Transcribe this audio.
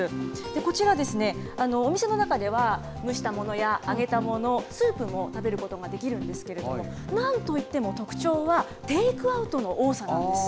こちら、お店の中では、蒸したものや揚げたもの、スープも食べることができるんですけれども、なんといっても特徴は、テイクアウトの多さなんです。